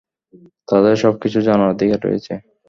তাদের সবকিছু জানার অধিকার রয়েছে।